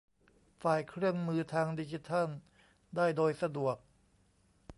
ฝ่ายเครื่องมือทางดิจิทัลได้โดยสะดวก